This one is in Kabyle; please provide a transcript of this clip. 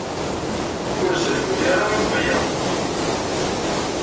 Ur sehhu ara akk aya.